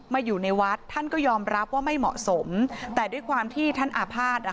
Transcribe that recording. อยู่ในวัดท่านก็ยอมรับว่าไม่เหมาะสมแต่ด้วยความที่ท่านอาภาษณ์อ่ะ